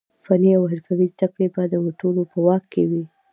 فني او حرفوي زده کړې به د ټولو په واک کې وي.